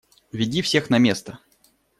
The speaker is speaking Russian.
Веди всех на место.